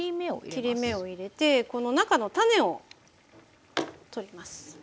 切り目を入れてこの中の種を取ります。